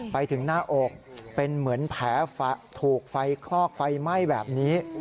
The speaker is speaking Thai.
ไปถึงหน้าอกเป็นเหมือนแผลถูกไฟคลอกไฟไหม้แบบนี้